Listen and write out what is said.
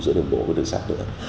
giữa đường bộ và đường sắt nữa